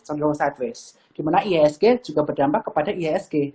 sejauh sideways di mana ihsg juga berdampak kepada ihsg